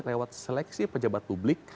lewat seleksi pejabat publik